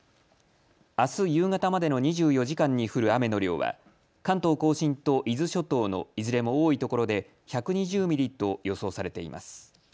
あす夕方までの２４時間に降る雨の量は関東甲信と伊豆諸島のいずれも多いところで１２０ミリと予想されています。